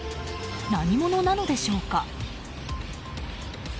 何者なのでしょうか？